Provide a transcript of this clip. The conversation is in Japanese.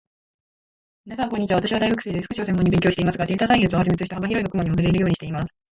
みなさん、こんにちは。私は大学生です。福祉を専門に勉強していますが、データサイエンスをはじめとした幅広い学問にも触れるようにしています。